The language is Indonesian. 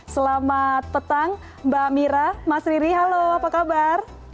selamat petang mbak mira mas riri halo apa kabar